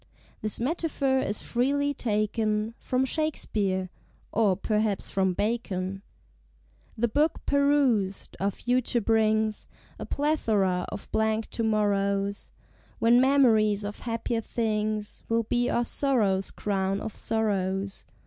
(This metaphor is freely taken From Shakespeare or perhaps from Bacon.) The Book perused, our Future brings A plethora of blank to morrows, When memories of Happier Things Will be our Sorrow's Crown of Sorrows.